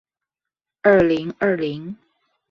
二零二零